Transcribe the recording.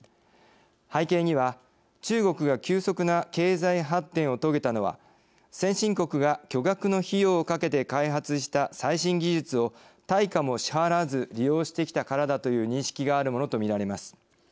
背景には中国が急速な経済発展を遂げたのは先進国が巨額の費用をかけて開発した最新技術を対価も支払わず利用してきたからだという認識があるものとみられます。